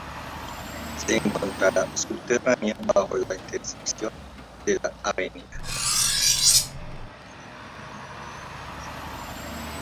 Se encontrará subterránea bajo la intersección de la Av.